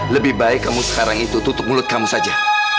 lebih baik kamu sekarang itu tutup mulut kamu saja